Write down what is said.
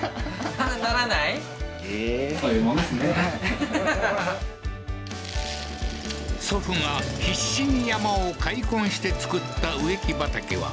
はっ祖父が必死に山を開墾して造った植木畑は